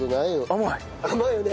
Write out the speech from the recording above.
甘いよね。